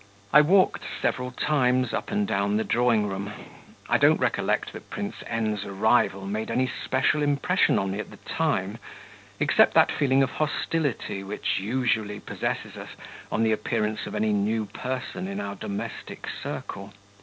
I walked several times up and down the drawing room. I don't recollect that Prince N.'s arrival made any special impression on me at the time, except that feeling of hostility which usually possesses us on the appearance of any new person in our domestic circle.